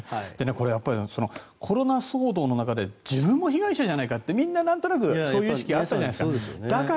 これ、コロナ騒動の中で自分も被害者じゃないかとみんななんとなくそういう意識があったじゃないですか。